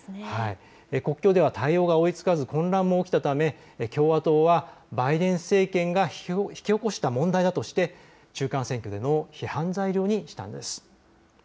国境では対応が追いつかず混乱も起きたため共和党はバイデン政権が引き起こした問題だとして中間選挙での批判材料にしたんです。